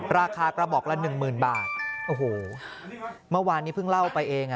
ราคากระบอกละหนึ่งหมื่นบาทโอ้โหเมื่อวานนี้เพิ่งเล่าไปเองอ่ะ